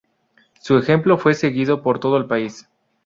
Su ejemplo fue seguido por todo el país.